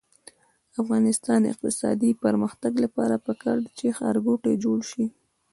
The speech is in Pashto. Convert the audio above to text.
د افغانستان د اقتصادي پرمختګ لپاره پکار ده چې ښارګوټي جوړ شي.